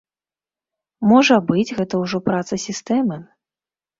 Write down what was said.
Можа быць, гэта ўжо праца сістэмы.